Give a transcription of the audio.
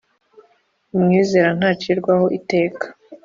Umwizera ntacirwaho iteka;